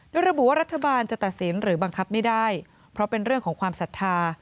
โดยระบุว่ารัฐบาลจะตัดสินหรือบังคับไม่ได้เพราะเป็นเรื่องของความศรัทธา